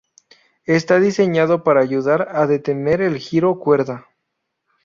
Está diseñado para ayudar a detener el giro cuerda.